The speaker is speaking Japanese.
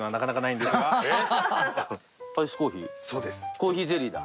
コーヒーゼリーだ。